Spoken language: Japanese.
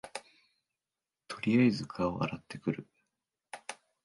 とりあえず顔洗ってくる